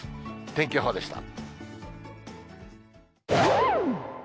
天気予報でした。